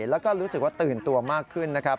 แล้วก็รู้สึกว่าตื่นตัวมากขึ้นนะครับ